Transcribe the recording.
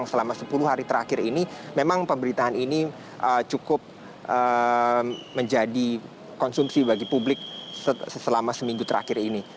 selama sepuluh hari terakhir ini memang pemberitaan ini cukup menjadi konsumsi bagi publik selama seminggu terakhir ini